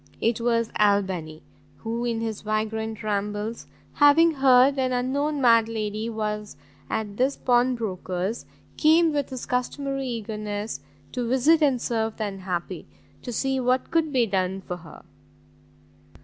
It was Albany, who in his vagrant rambles, having heard an unknown mad lady was at this pawn broker's, came, with his customary eagerness to visit and serve the unhappy, to see what could be done for her.